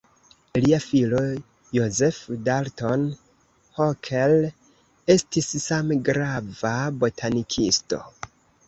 Lia filo Joseph Dalton Hooker estis same grava botanikisto.